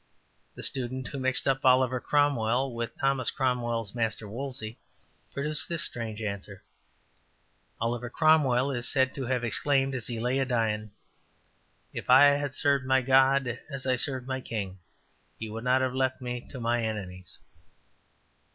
'' The student who mixed up Oliver Cromwell with Thomas Cromwell's master Wolsey produced this strange answer: ``Oliver Cromwell is said to have exclaimed, as he lay a dying, If I had served my God as I served my king, He would not have left me to mine enemies.''